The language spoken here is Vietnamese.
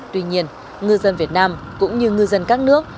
tuy nhiên ngư dân việt nam cũng như ngư dân các nước